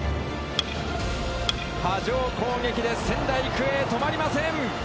波状攻撃で仙台育英とまりません。